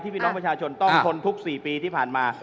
พี่น้องประชาชนต้องทนทุก๔ปีที่ผ่านมา